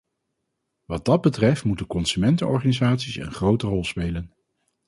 Wat dat betreft moeten consumentenorganisaties een grote rol spelen.